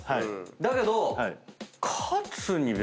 だけど。